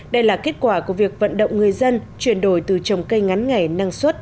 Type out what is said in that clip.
đây là kết quả của việc vận động người dân chuyển đổi từ trồng cây ngắn ngày năng suất